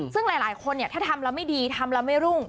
ซึ่งหลายคนเนี่ยถ้าทำแล้วไม่ดีทำแล้วไม่รุ่ง